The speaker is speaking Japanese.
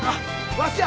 わしや。